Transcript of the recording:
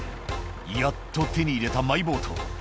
「やっと手に入れたマイボート」